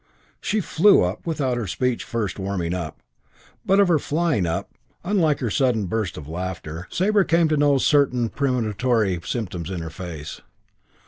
She "flew up" without her speech first warming up; but of her flying up, unlike her sudden burst of laughter, Sabre came to know certain premonitory symptoms in her face.